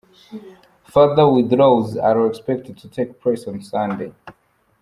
Further withdrawals are expected to take place on Sunday.